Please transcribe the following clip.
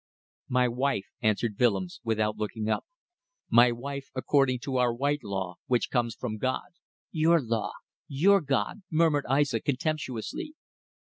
"My wife," answered Willems, without looking up. "My wife according to our white law, which comes from God!" "Your law! Your God!" murmured Aissa, contemptuously.